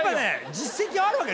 実績はあるわけ。